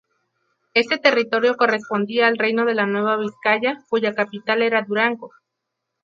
Este territorio correspondía al reino de la Nueva Vizcaya, cuya capital era Durango.